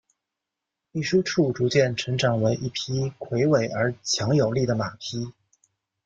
秘书处逐渐成长为一匹魁伟且强而有力的马匹。